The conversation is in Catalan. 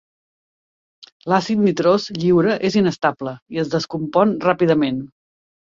L'àcid nitrós lliure és inestable i es descompon ràpidament.